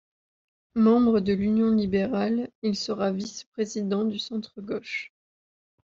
Membre de l'Union libérale, il sera vice-président du centre gauche.